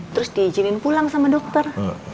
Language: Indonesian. terus diizinin pulang sama dokter